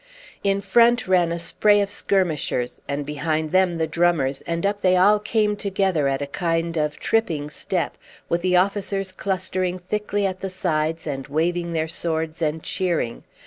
In front ran a spray of skirmishers, and behind them the drummers, and up they all came together at a kind of tripping step, with the officers clustering thickly at the sides and waving their swords and cheering.